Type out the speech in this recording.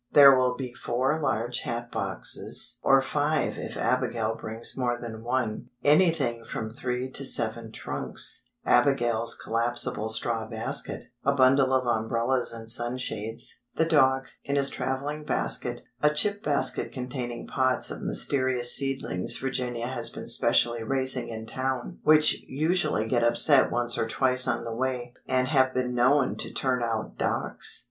There will be four large hat boxes (or five if Abigail brings more than one); anything from three to seven trunks; Abigail's collapsible straw basket; a bundle of umbrellas and sunshades; the dog, in his travelling basket; a chip basket containing pots of mysterious seedlings Virginia has been specially raising in town (which usually get upset once or twice on the way, and have been known to turn out docks).